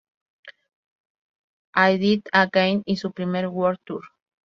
I Did It Again" y su primer World Tour.